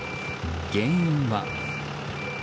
原因は。